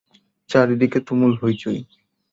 চারিদিকে তুমুল হৈ-চৈ।